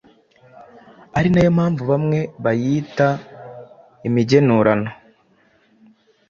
ari na yo mpamvu bamwe bayita imigenurano.